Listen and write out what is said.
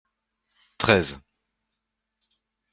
Treize.